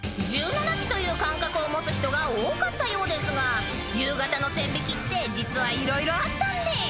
［１７時という感覚を持つ人が多かったようですが夕方の線引きって実は色々あったんです］